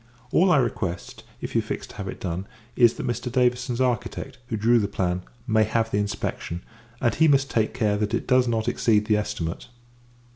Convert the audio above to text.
All I request, if you fix to have it done, [is] that Mr. Davison's architect, who drew the plan, may have the inspection; and, he must take care that it does not exceed the estimate.